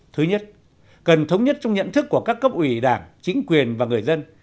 thứ nhất cần thống nhất trong nhận thức của các cấp ủy đảng chính quyền và người dân